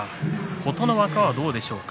琴ノ若は今日はどうでしょうか。